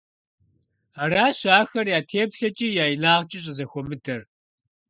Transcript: Аращ ахэр я теплъэкIи я инагъкIи щIызэхуэмыдэр.